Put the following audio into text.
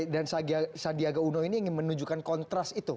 dan sandiaga uno ini ingin menunjukkan kontras itu